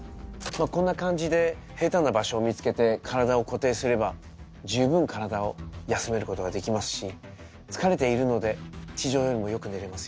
こんな感じで平坦な場所を見つけて体を固定すれば十分体を休めることができますし疲れているので地上よりもよく寝れますよ。